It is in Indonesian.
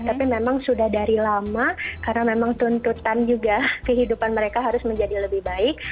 tapi memang sudah dari lama karena memang tuntutan juga kehidupan mereka harus menjadi lebih baik